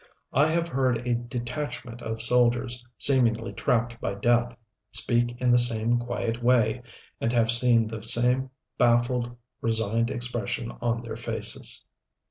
I have heard a detachment of soldiers, seemingly trapped by death, speak in the same quiet way, and have seen the same baffled, resigned expression on their faces.